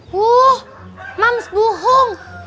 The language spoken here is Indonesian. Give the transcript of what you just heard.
wuh mams buhong